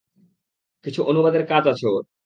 কিছু অনুবাদের কাজ আছে ওর।